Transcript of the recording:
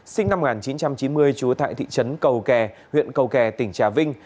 sinh năm một nghìn chín trăm chín mươi chú tại thị trấn cầu kè huyện cầu kè tỉnh trà vinh